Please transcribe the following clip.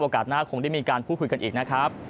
อากาสหน้าคงได้มีการพูดคุยกันอีกนะครับ